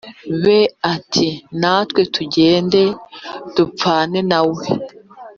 be ati natwe tugende dupfane na we